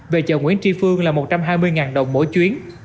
về chợ nguyễn tri phương là một trăm hai mươi đồng mỗi chuyến